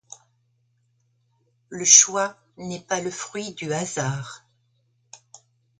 Le choix n'est pas le fruit du hasard.